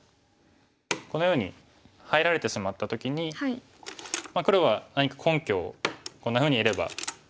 このように入られてしまった時に黒は何か根拠をこんなふうにいれば